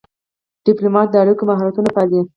ډيپلومات د اړیکو مهارتونه پالي.